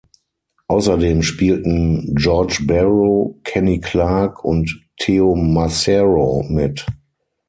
Außerdem spielten George Barrow, Kenny Clarke und Teo Macero mit.